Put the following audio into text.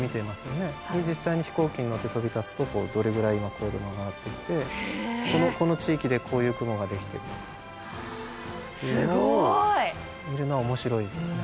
で実際に飛行機に乗って飛び立つとどれぐらい今高度が上がってきてこの地域でこういう雲ができてるとかというのを見るのは面白いですね。